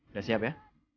udah siap ya